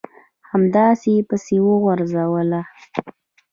همداسې یې پسې غځوله ...